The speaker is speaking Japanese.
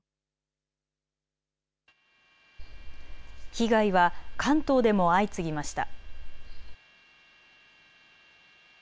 被害は関東でも相次ぎました。